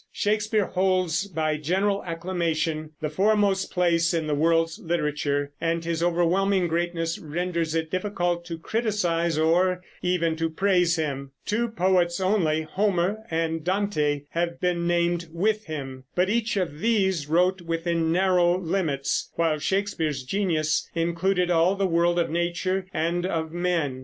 Shakespeare holds, by general acclamation, the foremost place in the world's literature, and his overwhelming greatness renders it difficult to criticise or even to praise him. Two poets only, Homer and Dante, have been named with him; but each of these wrote within narrow limits, while Shakespeare's genius included all the world of nature and of men.